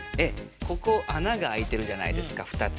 ここあながあいてるじゃないですか２つ。